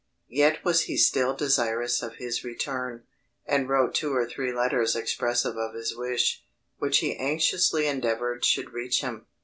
Yet was he still desirous of his return, and wrote two or three letters expressive of his wish, which he anxiously endeavoured should reach him.